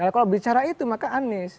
kalau bicara itu maka anies